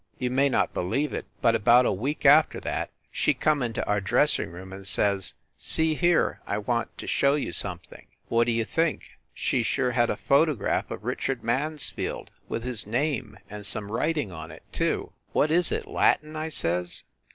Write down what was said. You may not believe it, but about a week after that she come into our dressing room and says, "See here, I want to show you something!" What d you think? She sure had a photograph of Richard Mansfield, with his name, and some writing on it, too. "What is it, Latin?" I says.